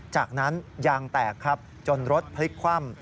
จากนั้นยางแตกครับจนรถพลิกคว่ำ